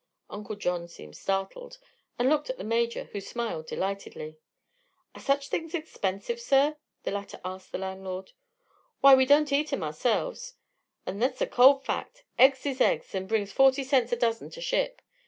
Uncle John seemed startled, and looked at the Major, who smiled delightedly. "Are such things expensive, sir?" the latter asked the landlord. "Why, we don't eat 'em ourselves, 'n' thet's a cold fact. Eggs is eggs, an' brings forty cents a dozen to ship.